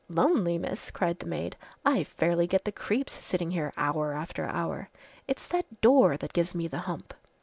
"Lonely, miss!" cried the maid. "I fairly get the creeps sitting here hour after hour. It's that door that gives me the hump."